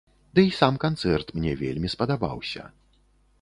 Дый сам канцэрт мне вельмі спадабаўся.